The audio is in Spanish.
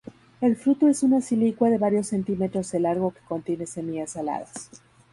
El fruto es una silicua de varios centímetros de largo que contiene semillas aladas.